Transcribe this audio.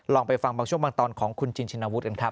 ไปฟังบางช่วงบางตอนของคุณจินชินวุฒิกันครับ